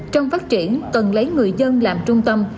trong phát triển cần lấy người dân làm trung tâm